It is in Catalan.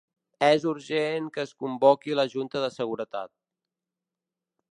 És urgent que es convoqui la junta de seguretat.